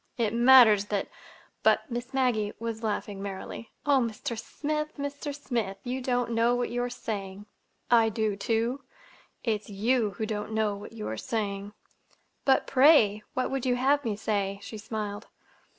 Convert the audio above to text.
It matters that—" But Miss Maggie was laughing merrily. "Oh, Mr. Smith, Mr. Smith, you don't know what you are saying!" "I do, too. It's you who don't know what you are saying!" "But, pray, what would you have me say?" she smiled.